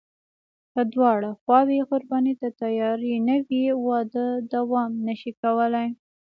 که دواړه خواوې قرباني ته تیارې نه وي، واده دوام نشي کولی.